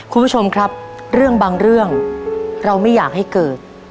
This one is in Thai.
คุณผู้ชมครับเรื่องบางเรื่องเราไม่อยากให้เกิด